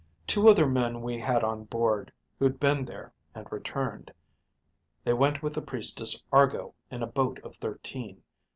"Two other men we had on board who'd been there and returned. They went with the Priestess Argo in a boat of thirteen.